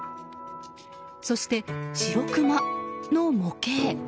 そして、シロクマの模型。